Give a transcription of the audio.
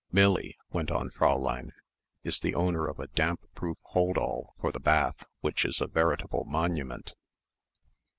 "Millie," went on Fräulein, "is the owner of a damp proof hold all for the bath which is a veritable monument."